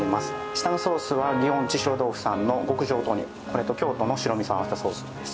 下のソースは祇園・千代豆腐さんの極上豆乳、これと京都の白味噌を合わせたソースです。